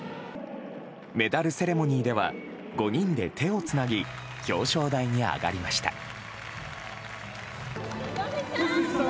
メダルセレモニーでは５人で手をつなぎ表彰台に上がりました。